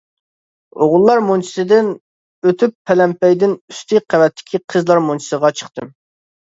ئوغۇللار مۇنچىسىدىن ئۆتۈپ پەلەمپەيدىن ئۈستى قەۋەتتىكى قىزلار مۇنچىسىغا چىقتىم.